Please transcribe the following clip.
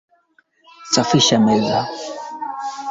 ni shemah kuigir mbunge albino